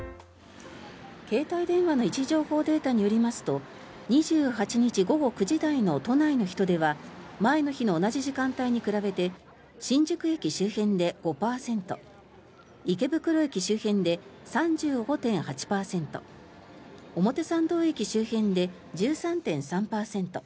携帯電話の位置情報データによりますと２８日午後９時台の都内の人出は前の日の同じ時間帯に比べて新宿駅周辺で５％池袋駅周辺で３５．８％表参道駅周辺で１３．３％